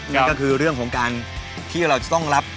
นั่นก็คือเรื่องของการที่เราจะต้องรับ